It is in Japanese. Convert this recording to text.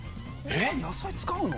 えっ野菜使うの？